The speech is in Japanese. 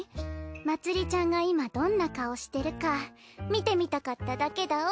まつりちゃんが今どんな顔してるか見てみたかっただけだお。